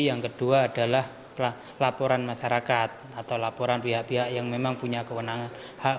yang kedua adalah laporan masyarakat atau laporan pihak pihak yang memang punya kewenangan hak